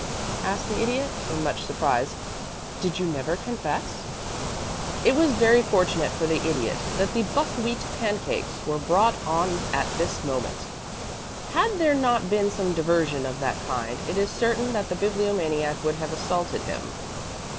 asked the Idiot, in much surprise. "Did you never confess?" It was very fortunate for the Idiot that the buckwheat cakes were brought on at this moment. Had there not been some diversion of that kind, it is certain that the Bibliomaniac would have assaulted him.